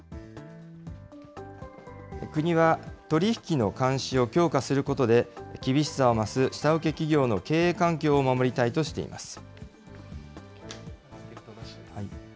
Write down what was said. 国は、取り引きの監視を強化することで、厳しさを増す下請け企業の経営環境を守りたいとしています。